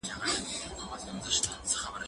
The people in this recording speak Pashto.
هغه څوک چي موبایل کاروي پوهه زياتوي؟!